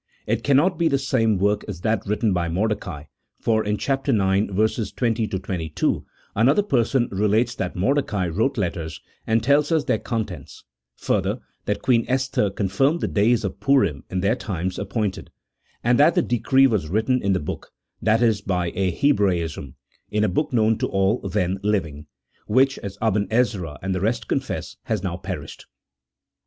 It cannot be the same work as that written by Mordecai, for, in chap. ix. 20 22, another person relates that Mordecai wrote letters, and tells us their contents; further, that Queen Esther confirmed the days of Purim in their times appointed, and that the decree was written in the book — that is (by a Hebraism), in a book known to all then living, which, as Aben Ezra and the rest confess, has now perished.